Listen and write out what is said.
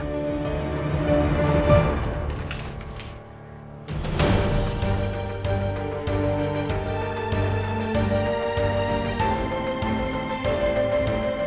ini ada apa sih